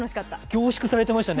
凝縮されてましたね